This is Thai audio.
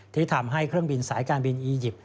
ที่ทำให้เครื่องบินสายการบินอียิปต์